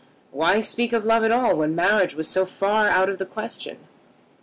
Why speak of love at all when marriage was so far out of the question?